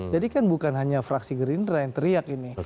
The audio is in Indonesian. jadi kan bukan hanya fraksi gerindra yang teriak ini